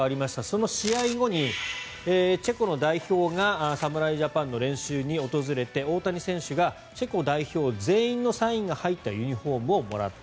その試合後にチェコの代表が侍ジャパンの練習に訪れて大谷選手がチェコ代表全員のサインが入ったユニホームをもらった。